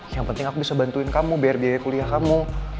yang penting aku bisa bantuin kamu biar biaya kuliah kamu